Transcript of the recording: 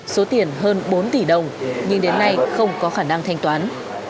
số tiền hơn bốn tỷ đồng nhưng đến nay không có khả năng thanh toán